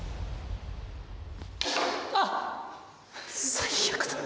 最悪だ。